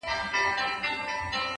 • او ستا د ښكلي شاعرۍ په خاطر ـ